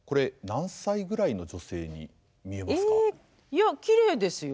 いやきれいですよ。